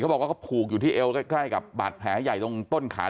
บอกว่าเขาผูกอยู่ที่เอวใกล้กับบาดแผลใหญ่ตรงต้นขา